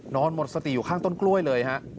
นอนหมดสติอยู่ข้างต้นกล้วยเลยครับ